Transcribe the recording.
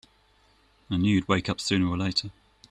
I knew you'd wake up sooner or later!